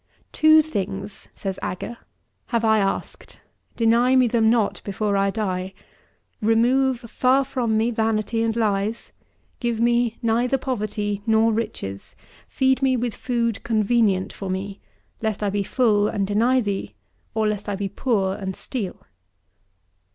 "Two things," says AGUR, "have I asked; deny me them not before I die: remove far from me vanity and lies; give me neither poverty nor riches; feed me with food convenient for me: lest I be full and deny thee; or lest I be poor and steal."